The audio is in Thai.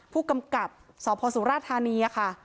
ผู้กำกับสพสุราธานีค่ะ